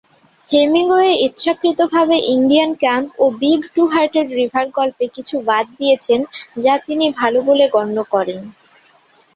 Hemingway ইচ্ছাকৃতভাবে "Indian camp" ও "big two-hearted river" গল্পে কিছু বাদ দিয়েছেন, যা তিনি ভালো বলে গণ্য করেন।